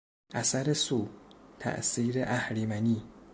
اثر سو، تاثیر اهریمنی